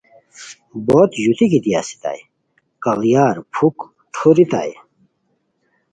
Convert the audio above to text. بوت ژوتی گیتی استائے کڑیار پُھک ٹھوریتائے